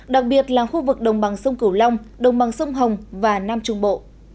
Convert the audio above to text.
đặc biệt là khu vực đồng bằng sông cửu long đồng bằng sông hồng và nam trung bộ